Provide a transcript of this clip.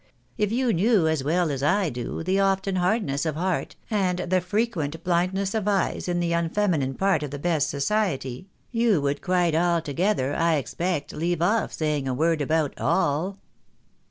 If you knew as well as I do, the often hardness of heart, and the frequent blindness of eyes in the unfeminine part of the H 2 116 THE BARNABYS IN AMERICA. best society, you would quite altogether, I expect, leave off saying a word about all."